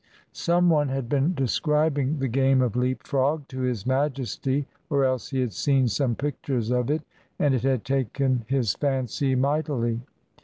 Some one had been describing the game of leap frog to His Majesty or else he had seen some pictures of it, and it had taken his fancy mightily.